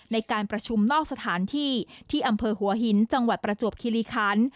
ในการประชุมนอกสถานที่ที่อำเภอหัวหินจังหวัดประจวบคิริคัน